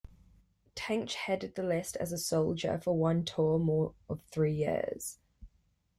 Tench headed the list as 'a soldier for one tour more of three years.